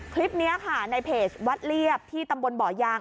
คลิปนี้ค่ะในเพจวัดเรียบที่ตำบลบ่อยาง